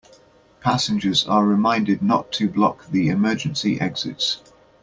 Passengers are reminded not to block the emergency exits.